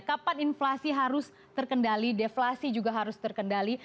kapan inflasi harus terkendali deflasi juga harus terkendali